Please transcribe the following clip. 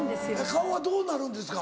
顔はどうなるんですか？